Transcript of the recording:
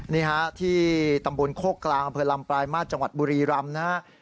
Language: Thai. นี่ที่ตำบลโครกกลางอเผือลำปลายมาชจังหวัดบุรีรำ